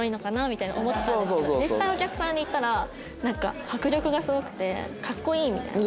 みたいに思ってたんですけど実際お客さんで行ったらなんか迫力がすごくてかっこいい！みたいな。